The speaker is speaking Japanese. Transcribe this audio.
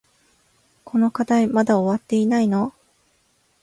この課題まだ終わってないの？